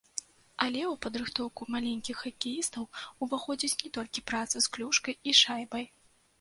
Але ў падрыхтоўку маленькіх хакеістаў уваходзіць не толькі праца з клюшкай і шайбай.